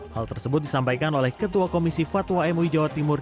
hal tersebut disampaikan oleh ketua komisi fatwa mui jawa timur